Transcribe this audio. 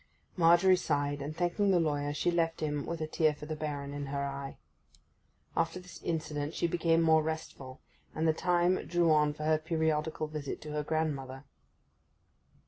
Margery sighed, and thanking the lawyer she left him with a tear for the Baron in her eye. After this incident she became more restful; and the time drew on for her periodical visit to her grandmother.